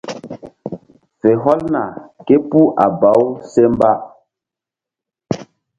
Fe hɔlna képuh a baw se mba.